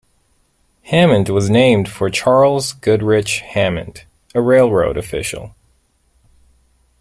Hammond was named for Charles Goodrich Hammond, a railroad official.